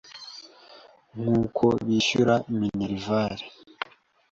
nk'uko bishyura Minerval